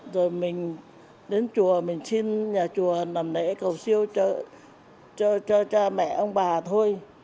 rồi mình đến chùa mình xin nhà chùa làm lễ cầu siêu trợ cho cha mẹ ông bà thôi